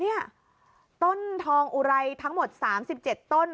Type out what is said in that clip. นี่ต้นทองอุไรทั้งหมด๓๗ต้น